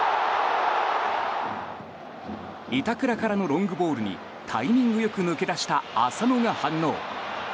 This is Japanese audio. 板倉からのロングボールにタイミングよく抜け出した浅野が反応。